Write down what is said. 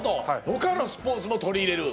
他のスポーツも取り入れる？